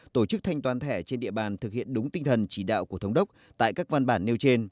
tổ chức thanh toán thẻ trên địa bàn thực hiện đúng tinh thần chỉ đạo của thống đốc tại các văn bản nêu trên